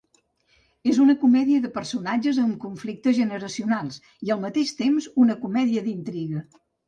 És una comèdia de personatges amb conflictes generacionals i al mateix temps una comèdia d'intriga.